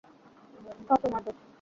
সব তোমার দোষ!